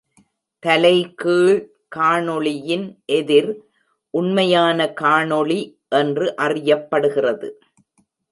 தலைகீழ் காணொளியின் எதிர் “உண்மையான காணொளி” என்று அறியப்படுகிறது.